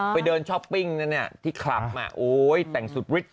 ไปเดินช้อปปิ้งนะเนี่ยที่คลับมาโอ๊ยแต่งสุดฤทธิ